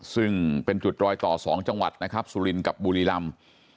ซึ่งเป็นจุดรอยต่อ๒จังหวัดนะครับสุรินกับบุรีรำ